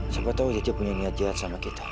siapa tahu cecep punya niat jahat sama kita